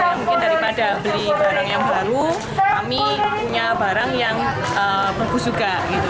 ya mungkin daripada beli barang yang baru kami punya barang yang bagus juga